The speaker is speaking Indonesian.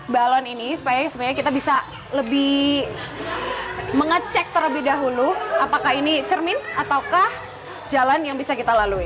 balon ini supaya kita bisa lebih mengecek terlebih dahulu apakah ini cermin ataukah jalan yang bisa kita lalui